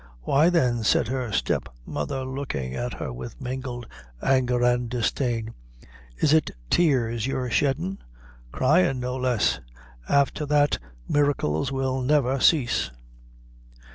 "Why, then," said her step mother, looking at her with mingled anger and disdain, "is it tears you're sheddin' cryin', no less! Afther that, maricles will never cease."